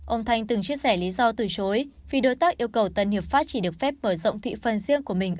ông thanh từng chia sẻ lý do từ chối vì đối tác yêu cầu tân hiệp pháp chỉ được phép mở rộng thị phần riêng của mình